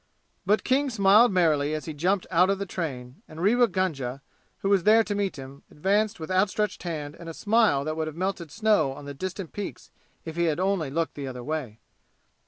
But King smiled merrily as he jumped out of the train, and Rewa Gunga, who was there to meet him, advanced with outstretched hand and a smile that would have melted snow on the distant peaks if he had only looked the other way.